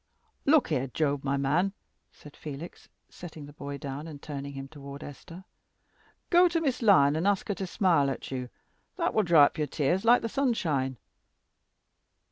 "Look here, Job, my man," said Felix, setting the boy down and turning him toward Esther; "go to Miss Lyon, ask her to smile at you, and that will dry up your tears like the sunshine."